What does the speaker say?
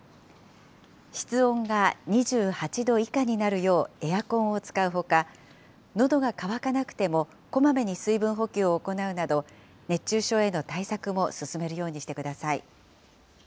室温が２８度以下になるようエアコンを使うほか、のどが渇かなくてもこまめに水分補給を行うなど、熱中症への対策も進めるようにしてください。